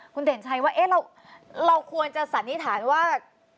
คุณเด่นชัยว่าเราควรจะสันนิษฐานว่า